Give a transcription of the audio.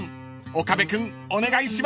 ［岡部君お願いします］